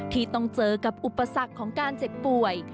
ที่ต้องเจอกับอุปสรรคของการเจ็บป่วย